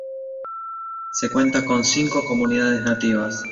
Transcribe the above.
Se cuenta con cinco Comunidades Nativas.